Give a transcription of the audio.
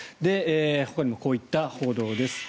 ほかにもこういった報道です。